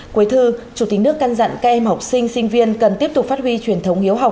cuối thư chủ tịch nước căn dặn các em học sinh sinh viên cần tiếp tục phát huy truyền thống hiếu học